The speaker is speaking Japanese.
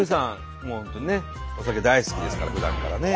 もう本当にねお酒大好きですからふだんからね。